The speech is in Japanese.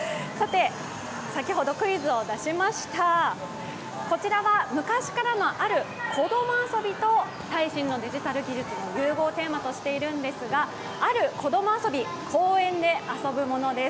先ほどクイズを出しましたある子供遊びと最新のデジタル技術の融合をテーマとしているんですがある子供遊び、公園で遊ぶものです。